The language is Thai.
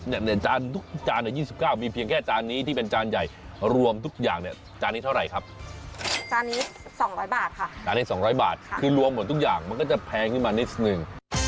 มันก็จะแพงขึ้นมานิดสองหนึ่ง